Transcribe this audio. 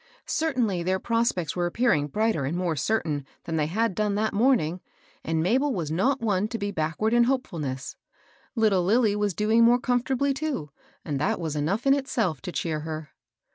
Certainly their prospects were appearing brighter and more certain than they had done that morn ing, and Mabel was not one to be backward in hopeftilness. Little Lilly was doing more com fortably too, and that was enough in itself to cheer her.